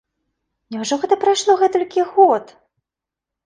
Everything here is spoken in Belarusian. Няўжо гэта прайшло гэтулькі год?!